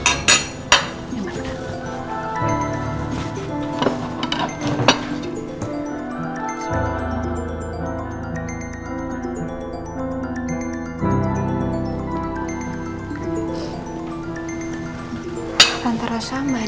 jadi kita nyari rananya lebih akurat